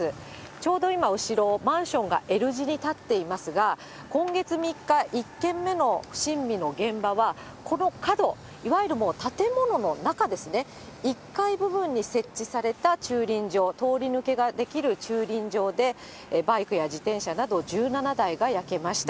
ちょうど今、後ろマンションがＬ字に建っていますが、今月３日、１件目の不審火の現場はこの角、いわゆるもう建物の中ですね、１階部分に設置された駐輪場、通り抜けができる駐輪場で、バイクや自転車など１７台が焼けました。